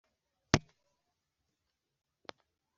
Yh yuko muzarira mukaboroga